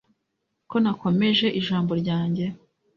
ko nakomeje ijambo ryanjye. '